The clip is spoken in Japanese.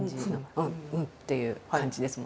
「ふん！ふん！」っていう感じですもんね。